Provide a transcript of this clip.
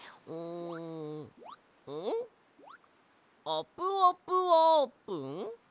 「あぷあぷあぷん」？